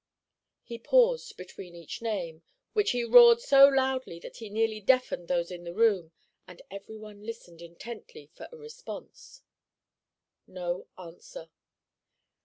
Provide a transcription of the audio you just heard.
He paused between each name, which he roared so loudly that he nearly deafened those in the room, and everyone listened intently for a response. No answer.